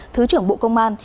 thứ trưởng bộ công an